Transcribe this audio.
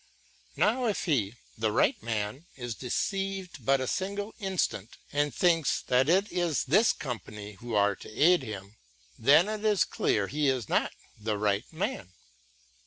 Now if he, the right man, is deceived but a single instant and thinks that it is this company who are to aid him, then it is clear he is not the right man.